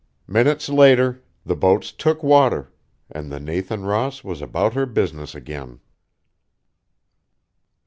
Minutes later, the boats took water; and the Nathan Ross was about her business again.